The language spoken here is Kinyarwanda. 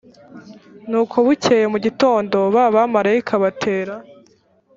nuko bukeye mu gitondo ba bamarayika batera